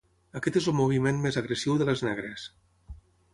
Aquest és el moviment més agressiu de les negres.